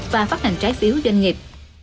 và phát hành trái phiếu doanh nghiệp